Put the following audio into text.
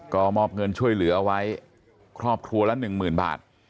ก็มอบเงินช่วยเหลือเอาไว้ครอบครัวละ๑๐๐๐บาท